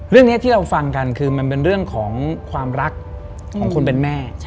เรื่องนี้ที่เราฟังกันคือมันเป็นเรื่องของความรักของคนเป็นแม่